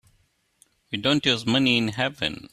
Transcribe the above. We don't use money in heaven.